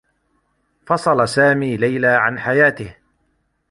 فصل سامي ليلى عن حياته.